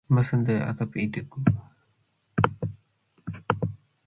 ma sandote, ada iquec